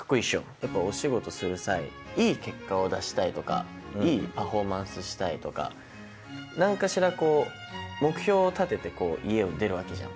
やっぱりお仕事する際いい結果を出したいとかいいパフォーマンスしたいとか何かしら目標を立てて家を出るわけじゃん？